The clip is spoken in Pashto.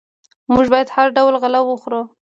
موږ باید هر ډول غله وخورو.